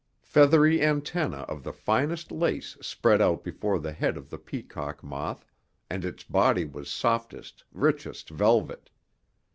Feathery antennae of the finest lace spread out before the head of the peacock moth, and its body was softest, richest velvet.